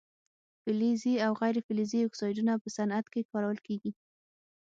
فلزي او غیر فلزي اکسایدونه په صنعت کې کارول کیږي.